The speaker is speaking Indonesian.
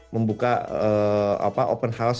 membuka open house